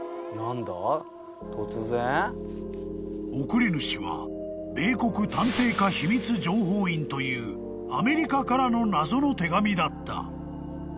［送り主は米国探偵家秘密情報員というアメリカからの謎の手紙だった］